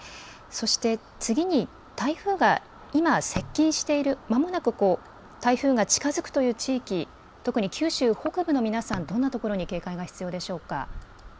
そして次に、台風が今、接近している、まもなく台風が近づくという地域、特に九州北部の皆さん、どんなところに警戒が必要でしょうか。